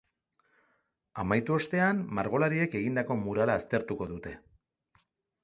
Amaitu ostean, margolariek egindako murala aztertuko dute.